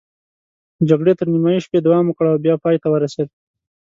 جګړې تر نیمايي شپې دوام وکړ او بیا پای ته ورسېده.